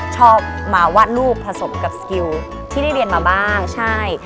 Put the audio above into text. ชอบมาวาดรูปผสมกับสกิลที่ได้เรียนมาบ้างใช่